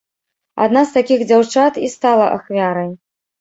Адна з такіх дзяўчат і стала ахвярай.